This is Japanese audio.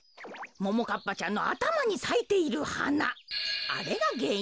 ももかっぱちゃんのあたまにさいているはなあれがげんいんかもよ。